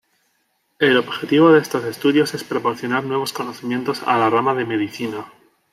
El objetivo de estos estudios es proporcionar nuevos conocimientos a la rama de medicina.